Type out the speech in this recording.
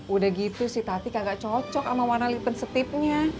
udah gitu sih tati kagak cocok sama warna lipen setipnya